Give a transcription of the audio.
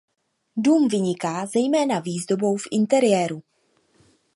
Dům vyniká zejména výzdobou v interiéru.